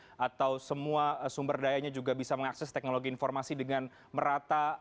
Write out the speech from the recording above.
jadi apakah anda tahu semua sumber dayanya juga bisa mengakses teknologi informasi dengan merata